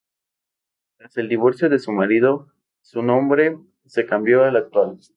Tras el divorcio de su marido su nombre se cambió al actual.